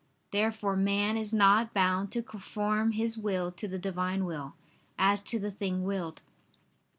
Therefore man is not bound to conform his will to the Divine will, as to the thing willed.